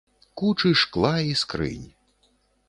Кучы шкла і скрынь.